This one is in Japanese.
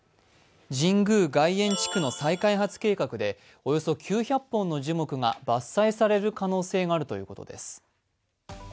神宮外苑地区の再開発計画でおよそ９００本の樹木が伐採される可能性があるということです。